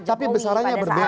tapi besarnya berbeda